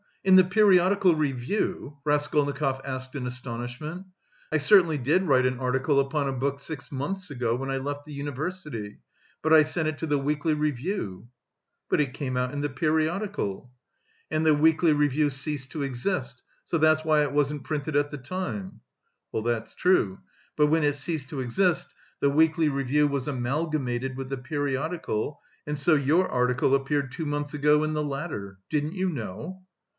In the Periodical Review?" Raskolnikov asked in astonishment. "I certainly did write an article upon a book six months ago when I left the university, but I sent it to the Weekly Review." "But it came out in the Periodical." "And the Weekly Review ceased to exist, so that's why it wasn't printed at the time." "That's true; but when it ceased to exist, the Weekly Review was amalgamated with the Periodical, and so your article appeared two months ago in the latter. Didn't you know?"